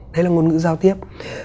đấy là ngôn ngữ giao tiếp